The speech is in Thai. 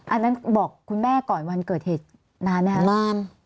อันนั้นบอกคุณแม่ก่อนวันเกิดเหตุนานไหมคะนาน